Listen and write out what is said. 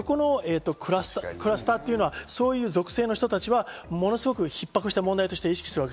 クラスターというのはそういう属性の人たちはものすごくひっ迫した問題として意識する。